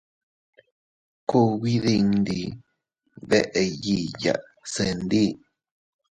Kugbi dindi beʼeyiya se ndi.